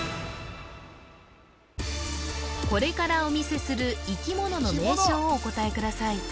これからお見せする生き物の名称をお答えください